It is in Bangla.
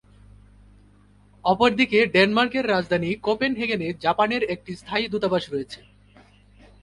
অপরদিকে ডেনমার্কের রাজধানী কোপেনহেগেন-এ জাপানের একটি স্থায়ী দূতাবাস রয়েছে।